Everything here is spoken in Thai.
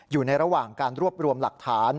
อยู่ในระหว่างการรวบรวมหลักฐาน